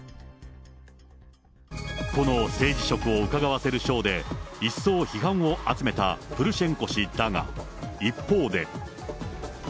この政治色をうかがわせるショーで一層批判を集めたプルシェンコ氏だが、一方で。